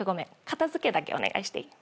片付けだけお願いしていい？